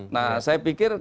nah saya pikir